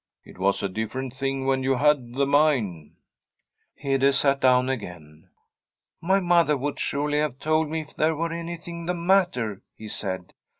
It was a different thing when you had the mine.' Hede sat down again. * My mother would surely have told me if there were anything the matter,' he said.